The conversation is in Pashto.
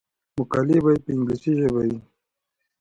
مقالې باید په انګلیسي ژبه وي.